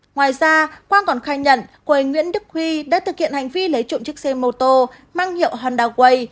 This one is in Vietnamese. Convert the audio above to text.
ngoài ra quang còn khai nhận cô ấy nguyễn đức huy đã thực hiện hành vi lấy trộm chiếc xe mô tô mang hiệu honda way